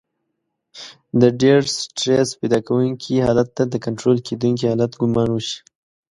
د ډېر سټرس پيدا کوونکي حالت ته د کنټرول کېدونکي حالت ګمان وشي.